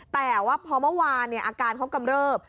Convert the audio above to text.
แต่ว่าพอเมื่อวานอาการเขากำเริบ